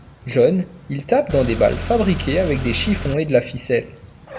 Jeune, il tape dans des balles fabriquées avec des chiffons et de la ficelles.